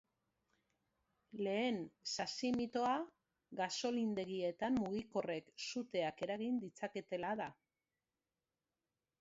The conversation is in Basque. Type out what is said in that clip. Lehen sasi-mitoa gasolindegietan mugikorrek suteak eragin ditzaketela da.